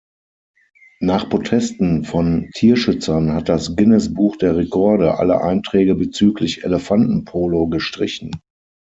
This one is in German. Nach Protesten von Tierschützern hat das Guinness-Buch der Rekorde alle Einträge bezüglich Elefanten-Polo gestrichen.